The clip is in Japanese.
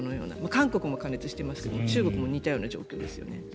韓国も過熱していますけど中国も似たような状況ですよね。